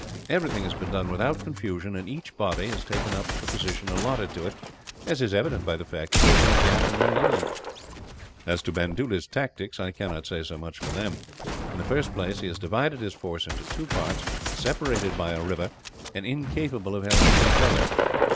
Everything has been done without confusion, and each body has taken up the position allotted to it; as is evident by the fact that there is no gap in their lines. "As to Bandoola's tactics, I cannot say so much for them. In the first place, he has divided his force into two parts, separated by a river, and incapable of helping each other.